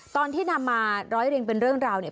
ตอนที่นำมาร้อยเรียงเป็นเรื่องราวเนี่ย